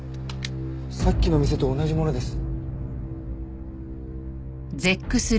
さっきの店と同じものです。